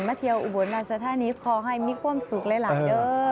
เที่ยวอุบลราชธานีขอให้มีความสุขหลายเด้อ